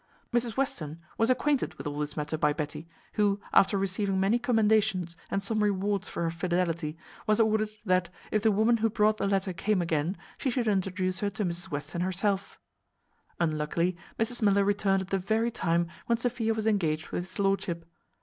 Mrs Western was acquainted with all this matter by Betty, who, after receiving many commendations and some rewards for her fidelity, was ordered, that, if the woman who brought the letter came again, she should introduce her to Mrs Western herself. Unluckily, Mrs Miller returned at the very time when Sophia was engaged with his lordship.